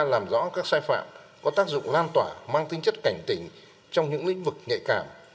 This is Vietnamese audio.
làm rõ các sai phạm có tác dụng lan tỏa mang tính chất cảnh tỉnh trong những lĩnh vực nhạy cảm